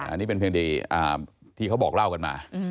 อันนี้เป็นเพลงดีที่เขาบอกเล่ากันมา